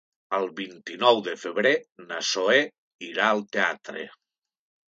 El vint-i-nou de febrer na Zoè irà al teatre.